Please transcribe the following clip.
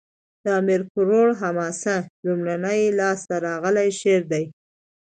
د امیر کروړ حماسه؛ لومړنی لاس ته راغلی شعر دﺉ.